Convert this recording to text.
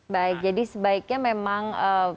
baik jadi sebaiknya memang